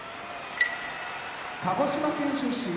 鹿児島県出身